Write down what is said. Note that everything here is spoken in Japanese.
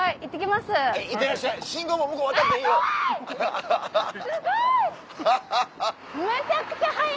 すごい！